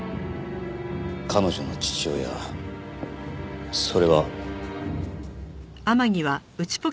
彼女の父親それは。